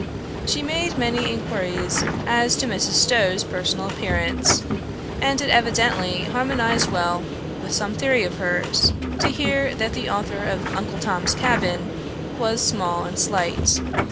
She made many inquiries as to Mrs. Stowe's personal appearance; and it evidently harmonised well with some theory of hers, to hear that the author of Uncle Tom's Cabin was small and slight.